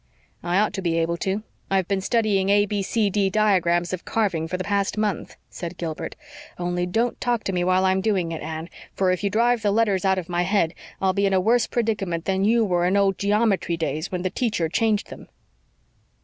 "I ought to be able to. I've been studying A B C D diagrams of carving for the past month," said Gilbert. "Only don't talk to me while I'm doing it, Anne, for if you drive the letters out of my head I'll be in a worse predicament than you were in old geometry days when the teacher changed them."